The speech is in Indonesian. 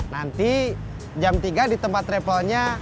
nanti jam tiga di tempat travelnya